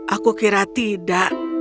aku kira tidak